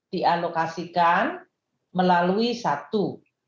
dialokasikan melalui satu